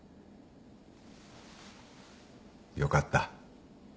よかった。